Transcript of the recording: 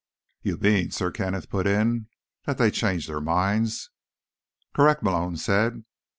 "You mean," Sir Kenneth put in, "that they changed their minds." "Correct," Malone said.